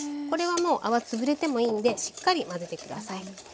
これはもう泡つぶれてもいいんでしっかり混ぜて下さい。